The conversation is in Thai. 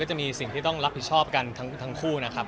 จะมีสิ่งที่ต้องรับผิดชอบกันทั้งคู่นะครับ